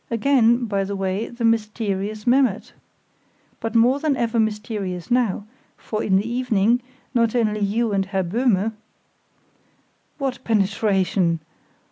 Again (by the way) the mysterious Memmert! But more than ever mysterious now, for in the evening, not only you and Herr Böhme——" "What penetration!"